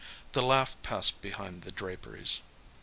The laugh passed behind the draperies.